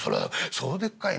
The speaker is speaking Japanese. そうでっかいな。